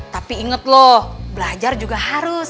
tapi inget loh belajar juga harus